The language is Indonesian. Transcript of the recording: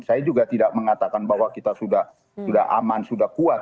saya juga tidak mengatakan bahwa kita sudah aman sudah kuat